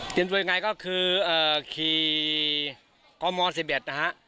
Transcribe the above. เตรียมตัวยังไงก็คือขี่ก้อนม้อ๑๑นะครับ